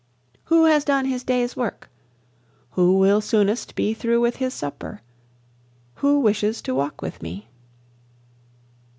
Who has done his day's work? Who will soonest be through with his supper? Who wishes to walk with me?